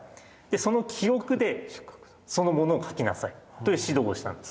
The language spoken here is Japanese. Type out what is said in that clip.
その記憶でそのモノを描きなさいという指導をしたんです。